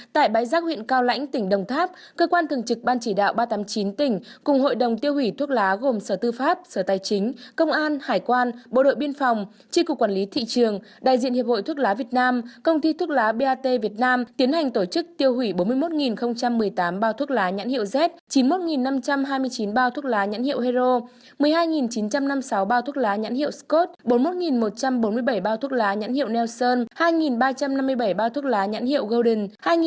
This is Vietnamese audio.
tại bái giác huyện cao lãnh tỉnh đồng tháp cơ quan thường trực ban chỉ đạo ba trăm tám mươi chín tỉnh cùng hội đồng tiêu hủy thuốc lá gồm sở tư pháp sở tài chính công an hải quan bộ đội biên phòng tri cục quản lý thị trường đại diện hiệp hội thuốc lá việt nam công ty thuốc lá bat việt nam tiến hành tổ chức tiêu hủy bốn mươi một một mươi tám bao thuốc lá nhãn hiệu z chín mươi một năm trăm hai mươi chín bao thuốc lá nhãn hiệu hero một mươi hai chín trăm năm mươi sáu bao thuốc lá nhãn hiệu scott bốn mươi một một trăm bốn mươi bảy bao thuốc lá nhãn hiệu nelson hai ba trăm năm mươi bảy bao thuốc lá nhãn hiệu golden